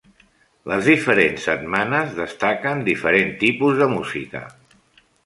Les diferents setmanes destaquen diferents tipus de música.